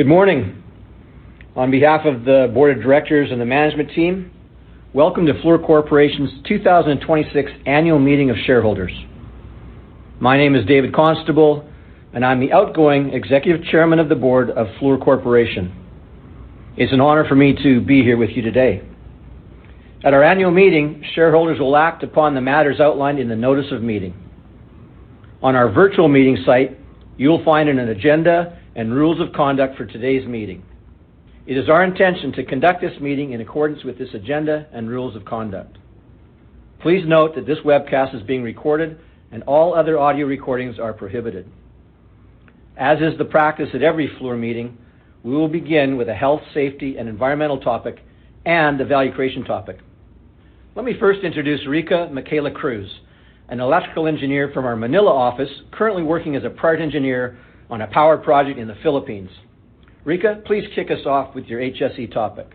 Good morning. On behalf of the board of directors and the management team, welcome to Fluor Corporation's 2026 Annual Meeting of Shareholders. My name is David Constable, and I'm the outgoing Executive Chairman of the Board of Fluor Corporation. It's an honor for me to be here with you today. At our annual meeting, shareholders will act upon the matters outlined in the notice of meeting. On our virtual meeting site, you'll find an agenda and rules of conduct for today's meeting. It is our intention to conduct this meeting in accordance with this agenda and rules of conduct. Please note that this webcast is being recorded and all other audio recordings are prohibited. As is the practice at every Fluor meeting, we will begin with a health, safety, and environmental topic and a value creation topic. Let me first introduce Rica Macaila Cruz, an electrical engineer from our Manila office, currently working as a project engineer on a power project in the Philippines. Rica, please kick us off with your HSE topic.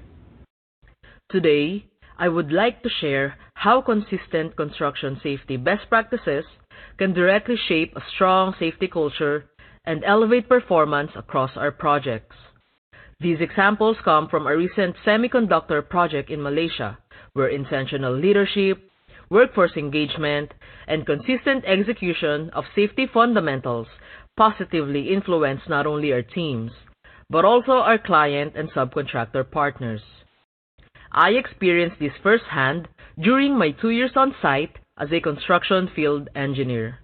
Today, I would like to share how consistent construction safety best practices can directly shape a strong safety culture and elevate performance across our projects. These examples come from a recent semiconductor project in Malaysia, where intentional leadership, workforce engagement, and consistent execution of safety fundamentals positively influence not only our teams, but also our client and subcontractor partners. I experienced this firsthand during my two years on site as a construction field engineer.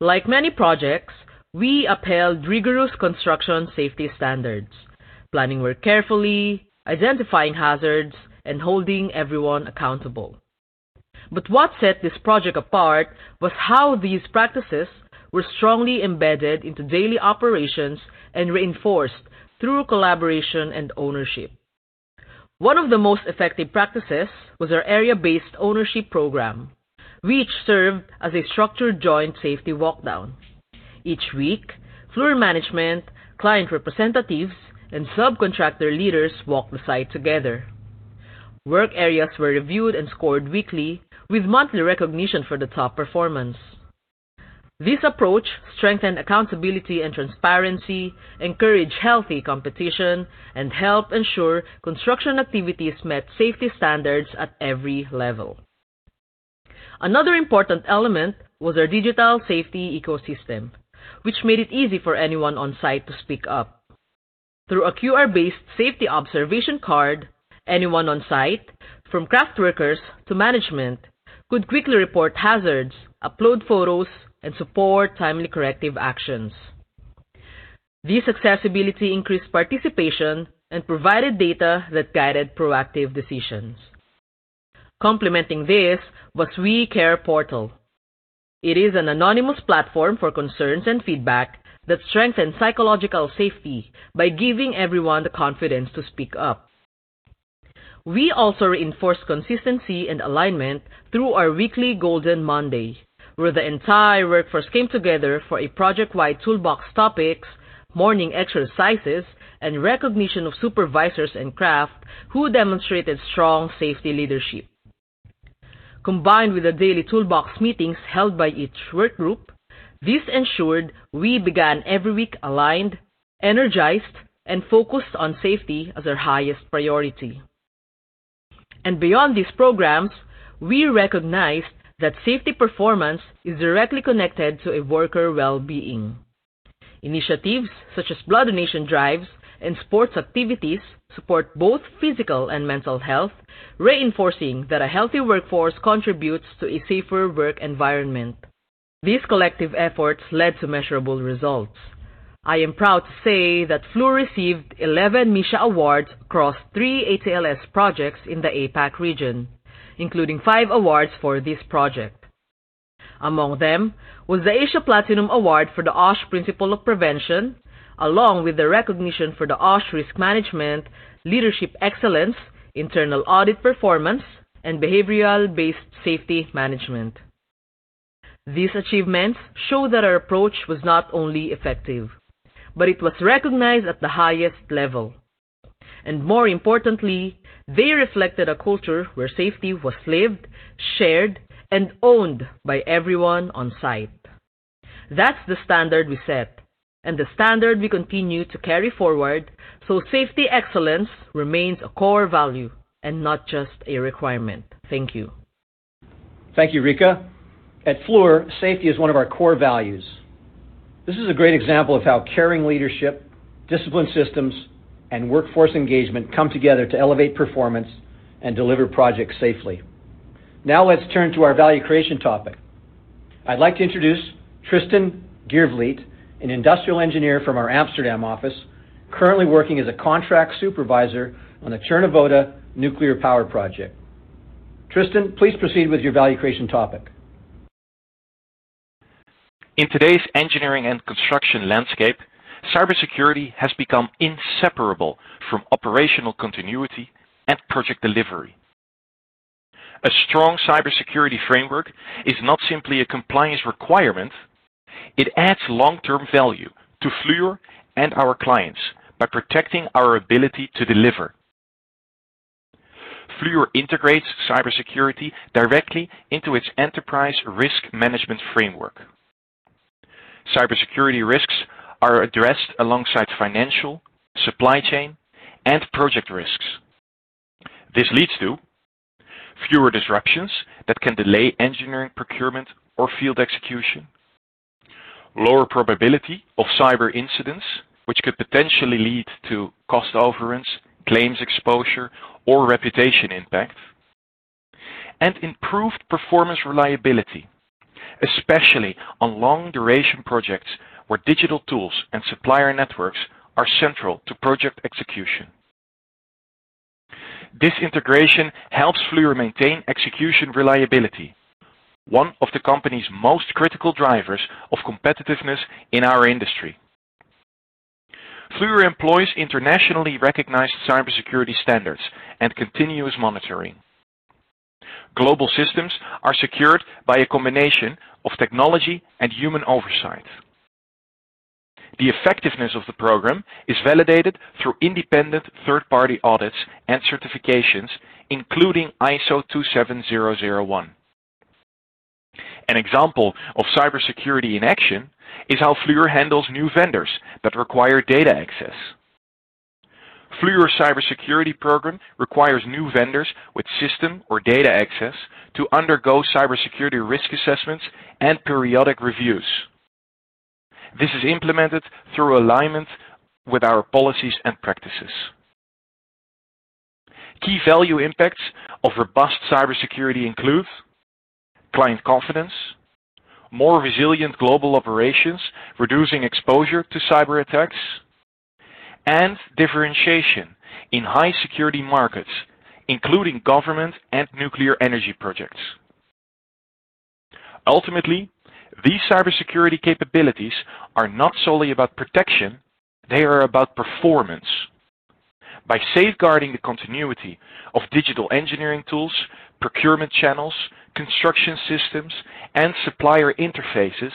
Like many projects, we upheld rigorous construction safety standards, planning work carefully, identifying hazards, and holding everyone accountable. What set this project apart was how these practices were strongly embedded into daily operations and reinforced through collaboration and ownership. One of the most effective practices was our area-based ownership program, which served as a structured joint safety walk down. Each week, Fluor management, client representatives, and subcontractor leaders walk the site together. Work areas were reviewed and scored weekly with monthly recognition for the top performance. This approach strengthened accountability and transparency, encouraged healthy competition, and helped ensure construction activities met safety standards at every level. Another important element was our digital safety ecosystem, which made it easy for anyone on site to speak up. Through a QR-based safety observation card, anyone on site, from craft workers to management, could quickly report hazards, upload photos, and support timely corrective actions. This accessibility increased participation and provided data that guided proactive decisions. Complementing this was WeCare Portal. It is an anonymous platform for concerns and feedback that strengthen psychological safety by giving everyone the confidence to speak up. We also reinforced consistency and alignment through our weekly Golden Monday, where the entire workforce came together for a project-wide toolbox topics, morning exercises, and recognition of supervisors and craft who demonstrated strong safety leadership. Combined with the daily toolbox meetings held by each workgroup, this ensured we began every week aligned, energized, and focused on safety as our highest priority. Beyond these programs, we recognized that safety performance is directly connected to a worker well-being. Initiatives such as blood donation drives and sports activities support both physical and mental health, reinforcing that a healthy workforce contributes to a safer work environment. These collective efforts led to measurable results. I am proud to say that Fluor received 11 MSOSH awards across 3 AT&S projects in the APAC region, including five awards for this project. Among them was the Asia Platinum Award for the OSH Principle of Prevention, along with the recognition for the OSH Risk Management, Leadership Excellence, Internal Audit Performance, and Behavioral-Based Safety Management. These achievements show that our approach was not only effective, but it was recognized at the highest level. More importantly, they reflected a culture where safety was lived, shared, and owned by everyone on site. That's the standard we set and the standard we continue to carry forward, so safety excellence remains a core value and not just a requirement. Thank you. Thank you, Rica. At Fluor, safety is one of our core values. This is a great example of how caring leadership, discipline systems, and workforce engagement come together to elevate performance and deliver projects safely. Let's turn to our value creation topic. I'd like to introduce Tristan Geervliet, an industrial engineer from our Amsterdam office, currently working as a contract supervisor on the Cernavodă Nuclear Power Plant. Tristan, please proceed with your value creation topic. In today's engineering and construction landscape, cybersecurity has become inseparable from operational continuity and project delivery. A strong cybersecurity framework is not simply a compliance requirement, it adds long-term value to Fluor and our clients by protecting our ability to deliver. Fluor integrates cybersecurity directly into its enterprise risk management framework. Cybersecurity risks are addressed alongside financial, supply chain, and project risks. This leads to fewer disruptions that can delay engineering procurement or field execution, lower probability of cyber incidents, which could potentially lead to cost overruns, claims exposure, or reputation impact, and improved performance reliability, especially on long-duration projects where digital tools and supplier networks are central to project execution. This integration helps Fluor maintain execution reliability, one of the company's most critical drivers of competitiveness in our industry. Fluor employs internationally recognized cybersecurity standards and continuous monitoring. Global systems are secured by a combination of technology and human oversight. The effectiveness of the program is validated through independent third-party audits and certifications, including ISO 27001. An example of cybersecurity in action is how Fluor handles new vendors that require data access. Fluor cybersecurity program requires new vendors with system or data access to undergo cybersecurity risk assessments and periodic reviews. This is implemented through alignment with our policies and practices. Key value impacts of robust cybersecurity include client confidence, more resilient global operations, reducing exposure to cyberattacks, and differentiation in high-security markets, including government and nuclear energy projects. Ultimately, these cybersecurity capabilities are not solely about protection, they are about performance. By safeguarding the continuity of digital engineering tools, procurement channels, construction systems, and supplier interfaces,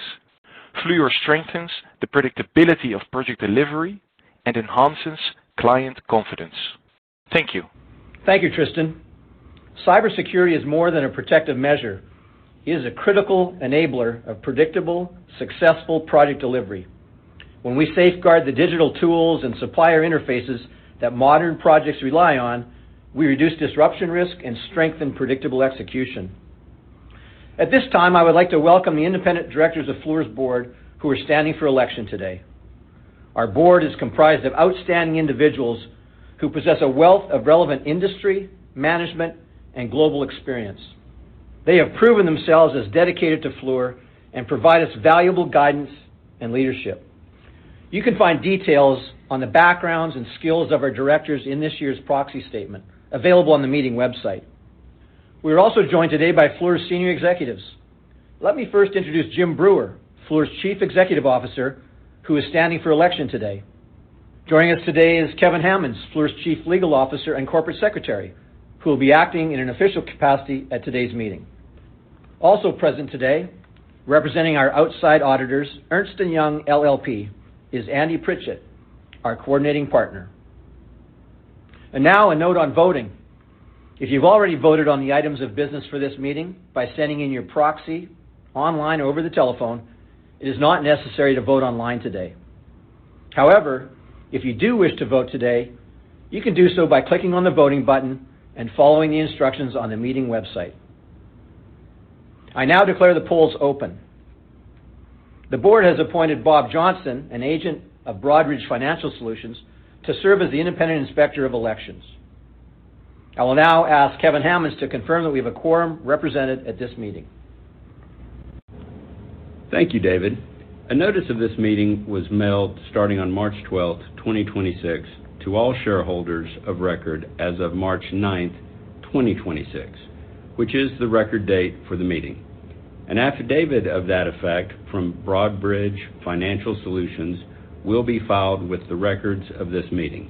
Fluor strengthens the predictability of project delivery and enhances client confidence. Thank you. Thank you, Tristan. Cybersecurity is more than a protective measure. It is a critical enabler of predictable, successful project delivery. When we safeguard the digital tools and supplier interfaces that modern projects rely on, we reduce disruption risk and strengthen predictable execution. At this time, I would like to welcome the independent directors of Fluor's Board who are standing for election today. Our Board is comprised of outstanding individuals who possess a wealth of relevant industry, management, and global experience. They have proven themselves as dedicated to Fluor and provide us valuable guidance and leadership. You can find details on the backgrounds and skills of our directors in this year's proxy statement available on the meeting website. We are also joined today by Fluor's senior executives. Let me first introduce Jim Breuer, Fluor's Chief Executive Officer, who is standing for election today. Joining us today is Kevin Hammonds, Fluor's Chief Legal Officer and Corporate Secretary, who will be acting in an official capacity at today's meeting. Also present today, representing our outside auditors, Ernst & Young LLP, is Andy Pritchett, our coordinating partner. Now a note on voting. If you've already voted on the items of business for this meeting by sending in your proxy online or over the telephone, it is not necessary to vote online today. However, if you do wish to vote today, you can do so by clicking on the voting button and following the instructions on the meeting website. I now declare the polls open. The board has appointed Bob Johnson, an agent of Broadridge Financial Solutions, to serve as the independent inspector of elections. I will now ask Kevin Hammonds to confirm that we have a quorum represented at this meeting. Thank you, David. A notice of this meeting was mailed starting on March 12, 2026, to all shareholders of record as of March 9, 2026, which is the record date for the meeting. An affidavit of that effect from Broadridge Financial Solutions will be filed with the records of this meeting.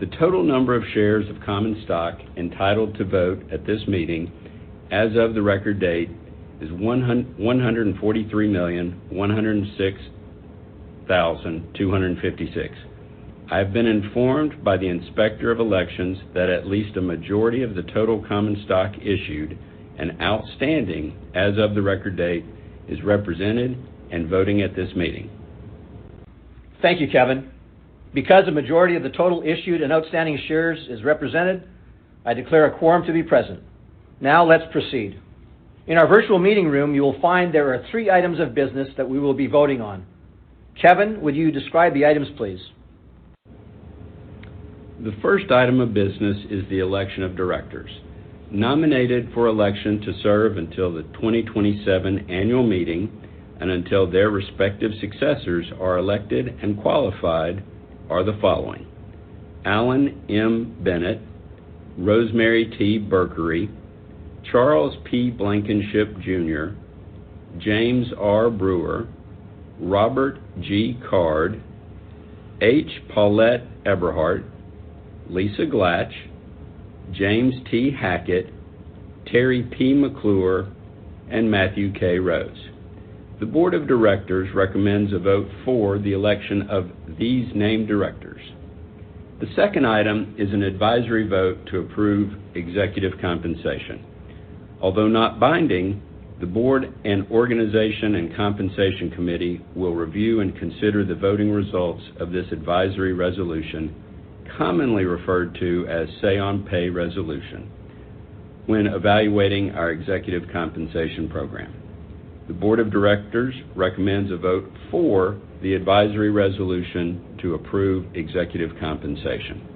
The total number of shares of common stock entitled to vote at this meeting as of the record date is 143,106,256. I have been informed by the Inspector of Elections that at least a majority of the total common stock issued and outstanding as of the record date is represented and voting at this meeting. Thank you, Kevin. Because a majority of the total issued and outstanding shares is represented, I declare a quorum to be present. Let's proceed. In our virtual meeting room, you will find there are three items of business that we will be voting on. Kevin, would you describe the items, please? The first item of business is the election of directors. Nominated for election to serve until the 2027 annual meeting and until their respective successors are elected and qualified are the following: Alan M. Bennett, Rosemary T. Berkery, Charles P. Blankenship Jr., James R. Breuer, Robert G. Card, H. Paulett Eberhart, Lisa Glatch, James T. Hackett, Teri P. McClure, and Matthew K. Rose. The board of directors recommends a vote for the election of these named directors. The second item is an advisory vote to approve executive compensation. Although not binding, the board and organization and compensation committee will review and consider the voting results of this advisory resolution, commonly referred to as say on pay resolution, when evaluating our executive compensation program. The board of directors recommends a vote for the advisory resolution to approve executive compensation.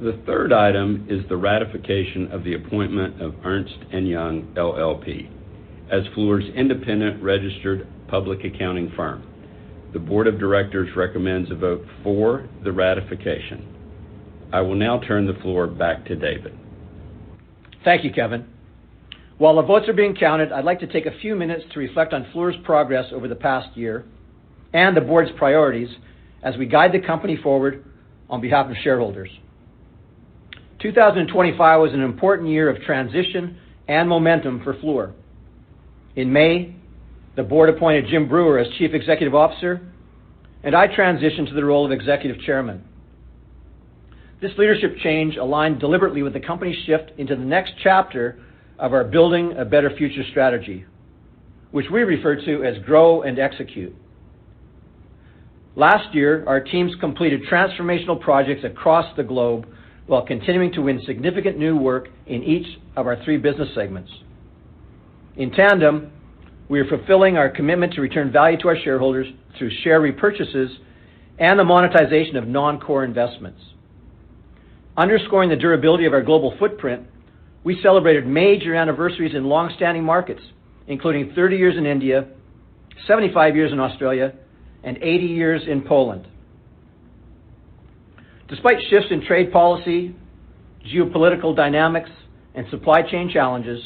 The third item is the ratification of the appointment of Ernst & Young LLP as Fluor's independent registered public accounting firm. The board of directors recommends a vote for the ratification. I will now turn the floor back to David. Thank you, Kevin. While the votes are being counted, I'd like to take a few minutes to reflect on Fluor's progress over the past year and the board's priorities as we guide the company forward on behalf of shareholders. 2025 was an important year of transition and momentum for Fluor. In May, the board appointed Jim Breuer as Chief Executive Officer, and I transitioned to the role of Executive Chairman. This leadership change aligned deliberately with the company's shift into the next chapter of our Building a Better Future strategy, which we refer to as Grow and Execute. Last year, our teams completed transformational projects across the globe while continuing to win significant new work in each of our three business segments. In tandem, we are fulfilling our commitment to return value to our shareholders through share repurchases and the monetization of non-core investments. Underscoring the durability of our global footprint, we celebrated major anniversaries in long-standing markets, including 30 years in India, 75 years in Australia, and 80 years in Poland. Despite shifts in trade policy, geopolitical dynamics, and supply chain challenges,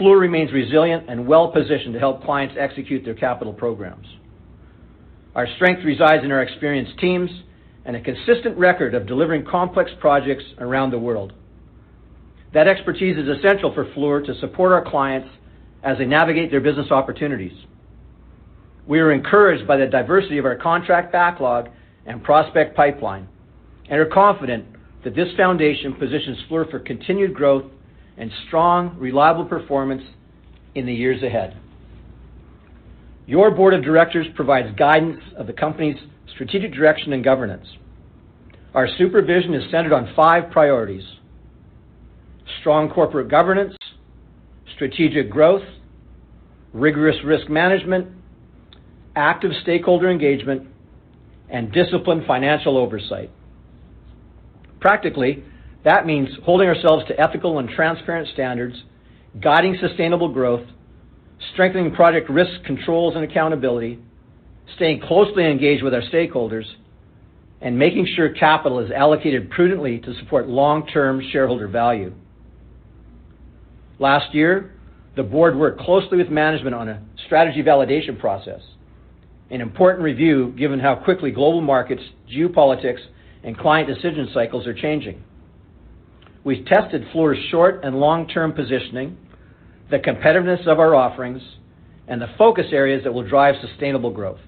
Fluor remains resilient and well-positioned to help clients execute their capital programs. Our strength resides in our experienced teams and a consistent record of delivering complex projects around the world. That expertise is essential for Fluor to support our clients as they navigate their business opportunities. We are encouraged by the diversity of our contract backlog and prospect pipeline and are confident that this foundation positions Fluor for continued growth and strong, reliable performance in the years ahead. Your board of directors provides guidance of the company's strategic direction and governance. Our supervision is centered on five priorities: strong corporate governance, strategic growth, rigorous risk management, active stakeholder engagement, and disciplined financial oversight. Practically, that means holding ourselves to ethical and transparent standards, guiding sustainable growth, strengthening project risk controls and accountability, staying closely engaged with our stakeholders, and making sure capital is allocated prudently to support long-term shareholder value. Last year, the board worked closely with management on a strategy validation process, an important review given how quickly global markets, geopolitics, and client decision cycles are changing. We've tested Fluor's short and long-term positioning, the competitiveness of our offerings, and the focus areas that will drive sustainable growth.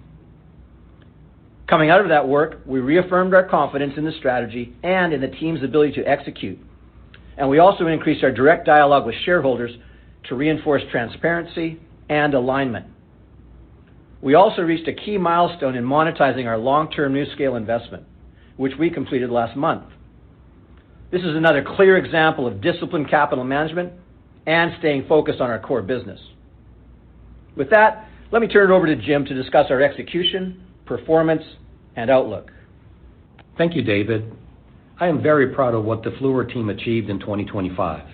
Coming out of that work, we reaffirmed our confidence in the strategy and in the team's ability to execute, and we also increased our direct dialogue with shareholders to reinforce transparency and alignment. We also reached a key milestone in monetizing our long-term NuScale Power investment, which we completed last month. This is another clear example of disciplined capital management and staying focused on our core business. With that, let me turn it over to Jim to discuss our execution, performance, and outlook. Thank you, David. I am very proud of what the Fluor team achieved in 2025.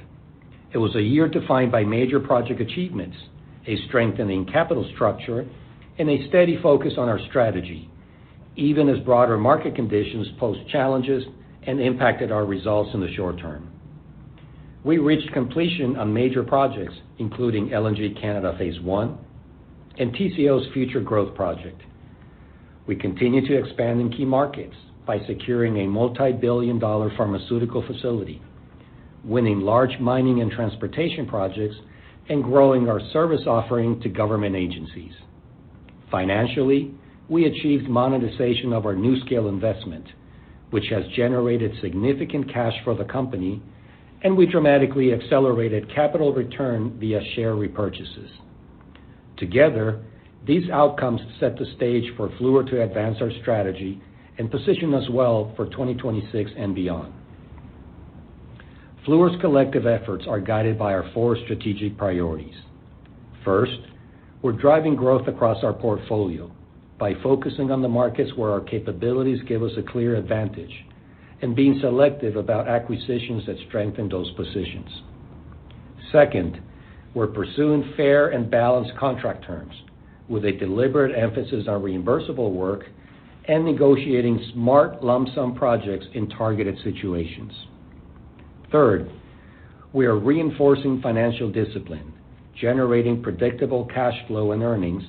It was a year defined by major project achievements, a strengthening capital structure, and a steady focus on our strategy, even as broader market conditions posed challenges and impacted our results in the short term. We reached completion on major projects, including LNG Canada Phase One and Tengizchevroil's Future Growth Project. We continue to expand in key markets by securing a multi-billion dollar pharmaceutical facility, winning large mining and transportation projects, and growing our service offering to government agencies. Financially, we achieved monetization of our NuScale Power investment, which has generated significant cash for the company, and we dramatically accelerated capital return via share repurchases. Together, these outcomes set the stage for Fluor to advance our strategy and position us well for 2026 and beyond. Fluor's collective efforts are guided by our four strategic priorities. First, we're driving growth across our portfolio by focusing on the markets where our capabilities give us a clear advantage and being selective about acquisitions that strengthen those positions. Second, we're pursuing fair and balanced contract terms with a deliberate emphasis on reimbursable work and negotiating smart lump sum projects in targeted situations. Third, we are reinforcing financial discipline, generating predictable cash flow and earnings,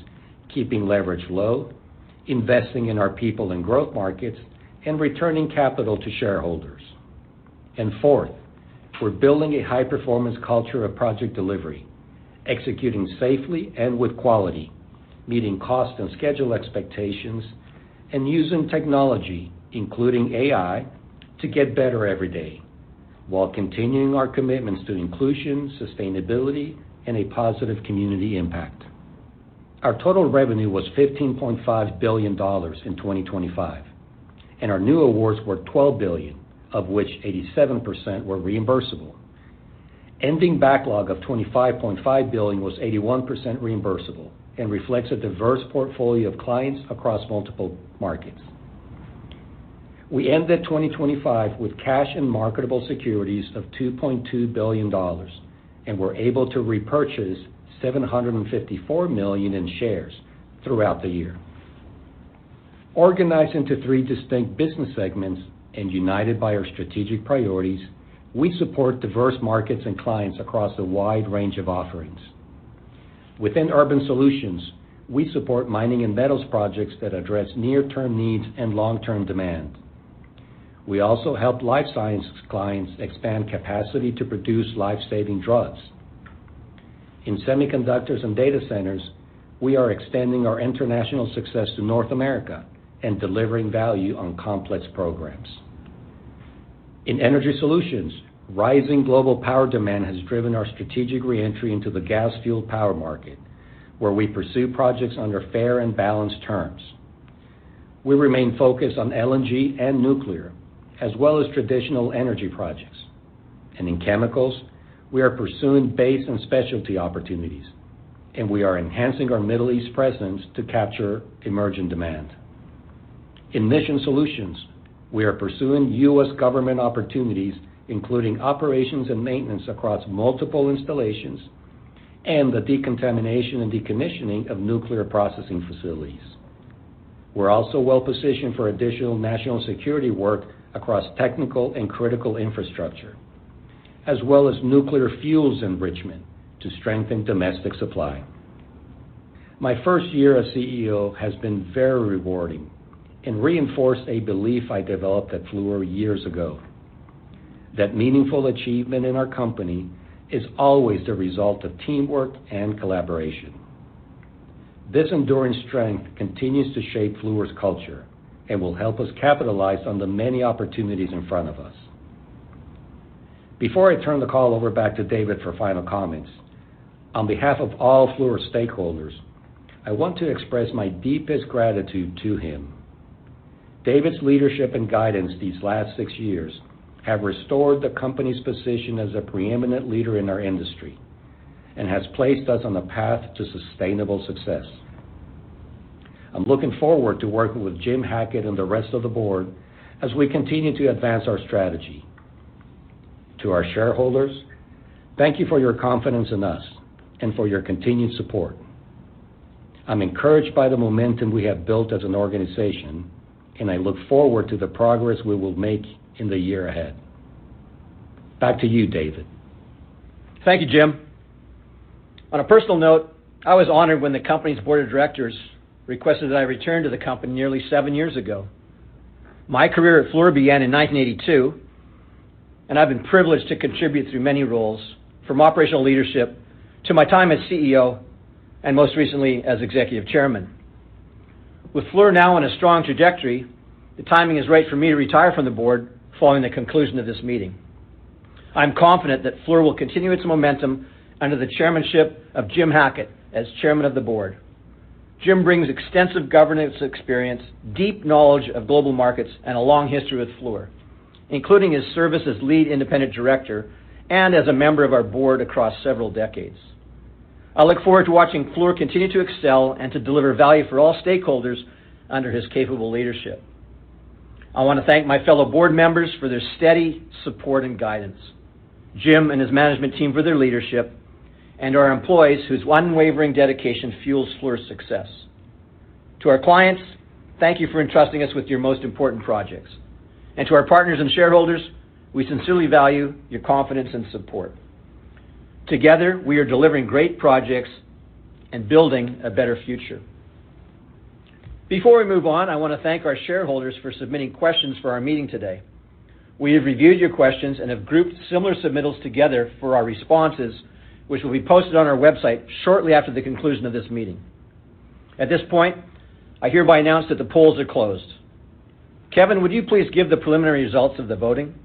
keeping leverage low, investing in our people and growth markets, and returning capital to shareholders. Fourth, we're building a high-performance culture of project delivery, executing safely and with quality, meeting cost and schedule expectations, and using technology, including AI, to get better every day, while continuing our commitments to inclusion, sustainability, and a positive community impact. Our total revenue was $15.5 billion in 2025, our new awards were $12 billion, of which 87% were reimbursable. Ending backlog of $25.5 billion was 81% reimbursable and reflects a diverse portfolio of clients across multiple markets. We ended 2025 with cash and marketable securities of $2.2 billion, were able to repurchase $754 million in shares throughout the year. Organized into three distinct business segments and united by our strategic priorities, we support diverse markets and clients across a wide range of offerings. Within Urban Solutions, we support mining and metals projects that address near-term needs and long-term demand. We also help life sciences clients expand capacity to produce life-saving drugs. In Semiconductors and Data Centers, we are expanding our international success to North America and delivering value on complex programs. In Energy Solutions, rising global power demand has driven our strategic reentry into the gas-fueled power market, where we pursue projects under fair and balanced terms. We remain focused on LNG and nuclear, as well as traditional energy projects. In Chemicals, we are pursuing base and specialty opportunities, and we are enhancing our Middle East presence to capture emerging demand. In Mission Solutions, we are pursuing U.S. government opportunities, including operations and maintenance across multiple installations and the decontamination and decommissioning of nuclear processing facilities. We're also well-positioned for additional national security work across technical and critical infrastructure, as well as nuclear fuels enrichment to strengthen domestic supply. My first year as CEO has been very rewarding and reinforced a belief I developed at Fluor years ago, that meaningful achievement in our company is always the result of teamwork and collaboration. This enduring strength continues to shape Fluor's culture and will help us capitalize on the many opportunities in front of us. Before I turn the call over back to David for final comments, on behalf of all Fluor stakeholders, I want to express my deepest gratitude to him. David's leadership and guidance these last six years have restored the company's position as a preeminent leader in our industry and has placed us on the path to sustainable success. I'm looking forward to working with Jim Hackett and the rest of the board as we continue to advance our strategy. To our shareholders, thank you for your confidence in us and for your continued support. I'm encouraged by the momentum we have built as an organization, and I look forward to the progress we will make in the year ahead. Back to you, David. Thank you, Jim. On a personal note, I was honored when the company's board of directors requested that I return to the company nearly seven years ago. My career at Fluor began in 1982, and I've been privileged to contribute through many roles, from operational leadership to my time as CEO, and most recently as Executive Chairman. With Fluor now on a strong trajectory, the timing is right for me to retire from the board following the conclusion of this meeting. I am confident that Fluor will continue its momentum under the chairmanship of Jim Hackett as Chairman of the Board. Jim brings extensive governance experience, deep knowledge of global markets, and a long history with Fluor, including his service as Lead Independent Director and as a member of our board across several decades. I look forward to watching Fluor continue to excel and to deliver value for all stakeholders under his capable leadership. I want to thank my fellow board members for their steady support and guidance, Jim and his management team for their leadership, and our employees whose unwavering dedication fuels Fluor's success. To our clients, thank you for entrusting us with your most important projects. To our partners and shareholders, we sincerely value your confidence and support. Together, we are delivering great projects and Building a Better Future. Before we move on, I want to thank our shareholders for submitting questions for our meeting today. We have reviewed your questions and have grouped similar submittals together for our responses, which will be posted on our website shortly after the conclusion of this meeting. At this point, I hereby announce that the polls are closed. Kevin, would you please give the preliminary results of the voting?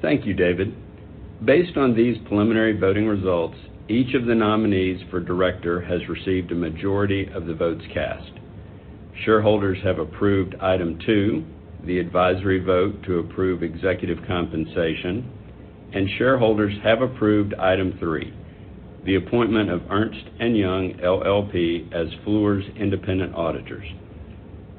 Thank you, David. Based on these preliminary voting results, each of the nominees for director has received a majority of the votes cast. Shareholders have approved item two, the advisory vote to approve executive compensation, and shareholders have approved item three, the appointment of Ernst & Young LLP as Fluor's independent auditors.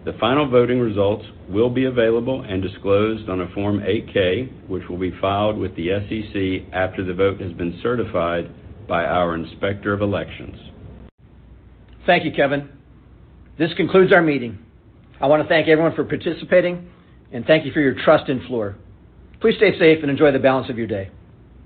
The final voting results will be available and disclosed on a Form 8-K, which will be filed with the SEC after the vote has been certified by our Inspector of Elections. Thank you, Kevin. This concludes our meeting. I want to thank everyone for participating, and thank you for your trust in Fluor. Please stay safe and enjoy the balance of your day.